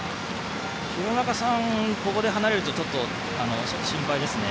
廣中さんはここで離れると心配ですね。